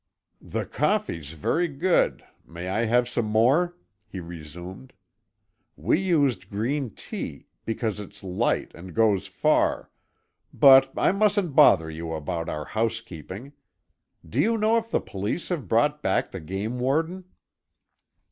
"The coffee's very good; may I have some more?" he resumed. "We used green tea, because it's light and goes far; but I mustn't bother you about our housekeeping. Do you know if the police have brought back the game warden?"